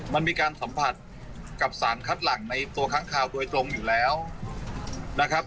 มันมีการสัมผัสกับสารคัดหลังในตัวค้างข่าวโดยตรงอยู่แล้วนะครับ